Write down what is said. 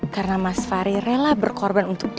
karena mas fahri rela berkorban untuk dia